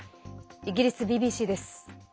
イギリスＢＢＣです。